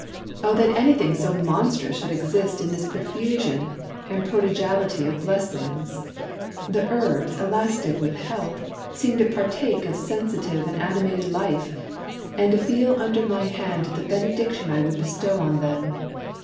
Brooke. Oh that anything so monstrous should exist in this profusion and prodigality of blessings ! The herbs, elastic with health, seem to partake of sensitive and animated life, and to feel under my haird the benediction I would bestow on them.